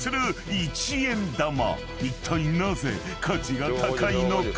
［いったいなぜ価値が高いのか？］